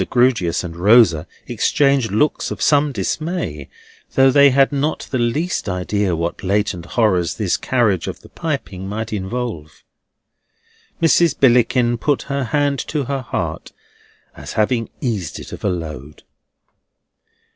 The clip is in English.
Grewgious and Rosa exchanged looks of some dismay, though they had not the least idea what latent horrors this carriage of the piping might involve. Mrs. Billickin put her hand to her heart, as having eased it of a load.